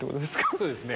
そうですね。